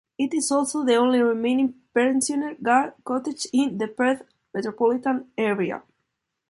It is also the only remaining Pensioner Guard cottage in the Perth metropolitan area.